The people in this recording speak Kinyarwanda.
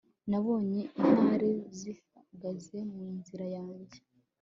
Nabonye intare zihagaze mu nzira yanjye